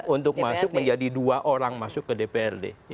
untuk masuk menjadi dua orang masuk ke dprd